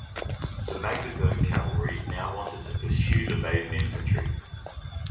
The Magdeburg cavalry now wanted to pursue the Baden infantry.